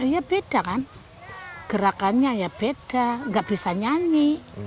ya beda kan gerakannya ya beda nggak bisa nyanyi